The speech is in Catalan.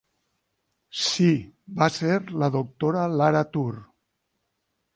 Sí, va ser la doctora Lara Tur.